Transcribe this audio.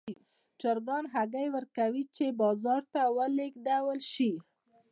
چرګان هګۍ ورکوي چې بازار ته ولېږدول شي.